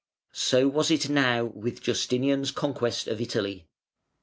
So was it now with Justinian's conquest of Italy.